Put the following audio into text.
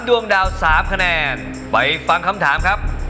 ดวงดาว๓คะแนนไปฟังคำถามครับ